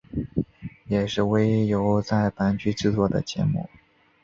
也是唯一由在阪局制作的节目。